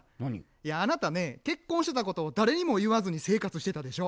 いやあなたね結婚してたことを誰にも言わずに生活してたでしょ。